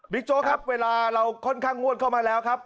โจ๊กครับเวลาเราค่อนข้างงวดเข้ามาแล้วครับ